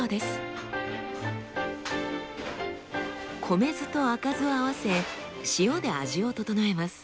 米酢と赤酢を合わせ塩で味を調えます。